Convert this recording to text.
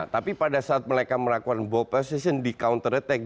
tapi pada saat mereka melakukan ball position di counter attack